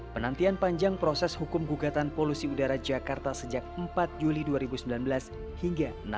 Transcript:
penantian panjang proses hukum gugatan polusi udara jakarta sejak empat juli dua ribu sembilan belas hingga enam belas